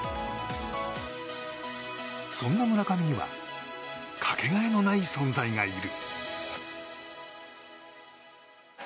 そんな村上にはかけがえのない存在がいる。